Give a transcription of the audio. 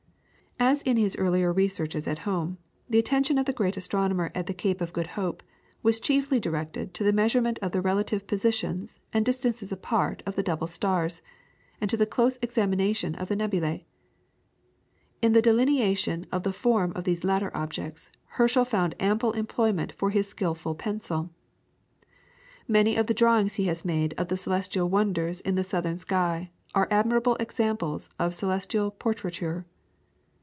As in his earlier researches at home, the attention of the great astronomer at the Cape of Good Hope was chiefly directed to the measurement of the relative positions and distances apart of the double stars, and to the close examination of the nebulae. In the delineation of the form of these latter objects Herschel found ample employment for his skilful pencil. Many of the drawings he has made of the celestial wonders in the southern sky are admirable examples of celestial portraiture.